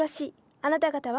あなた方は？